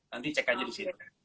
nanti cek aja di sini